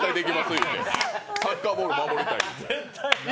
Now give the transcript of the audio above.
言うてサッカーボール守りたいって。